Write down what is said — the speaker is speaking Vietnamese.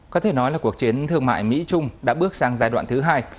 có thể nói là cuộc chiến thương mại mỹ trung đã bước sang giai đoạn thứ hai